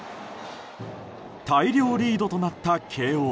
大量リードとなった慶応。